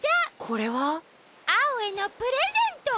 これは？アオへのプレゼント！